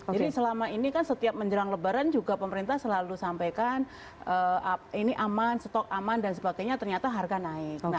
jadi selama ini kan setiap menjelang lebaran juga pemerintah selalu sampaikan ini aman stok aman dan sebagainya ternyata harga naik